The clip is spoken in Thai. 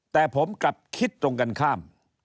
แต่ผมกลับคิดตรงกันข้าม